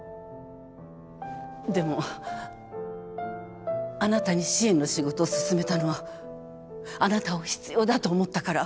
でもあなたに支援の仕事をすすめたのはあなたを必要だと思ったから。